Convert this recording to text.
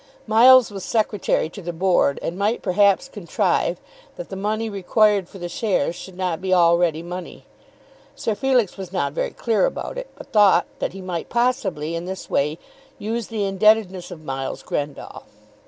Miles was Secretary to the Board, and might perhaps contrive that the money required for the shares should not be all ready money. Sir Felix was not very clear about it, but thought that he might possibly in this way use the indebtedness of Miles Grendall.